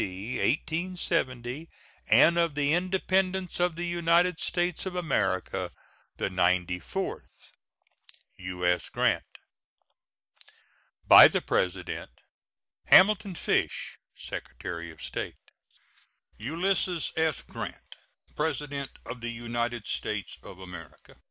D. 1870, and of the Independence of the United States of America the ninety fourth. [SEAL.] U.S. GRANT. By the President: HAMILTON FISH, Secretary of State. ULYSSES S. GRANT, PRESIDENT OF THE UNITED STATES OF AMERICA.